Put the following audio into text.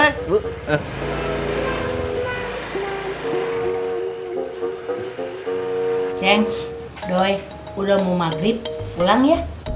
ceng doi udah mau maghrib pulang ya